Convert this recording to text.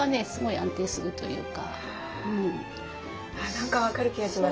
何か分かる気がします。